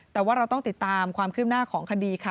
แต่ว่าเราต้องติดตามความคืบหน้าของคดีค่ะ